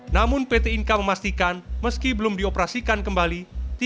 namun pt inka memastikan meski belum dioperasikan kembali